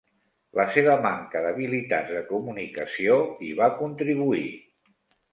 La seva manca d'habilitats de comunicació hi va contribuir.